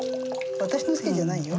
私のせいじゃないよ。